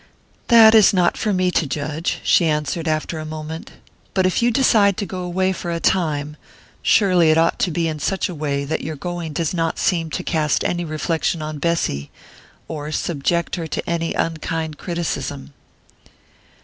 "That is not for me to judge," she answered after a moment. "But if you decide to go away for a time surely it ought to be in such a way that your going does not seem to cast any reflection on Bessy, or subject her to any unkind criticism."